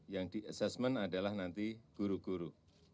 yang di assessment adalah nanti guru guru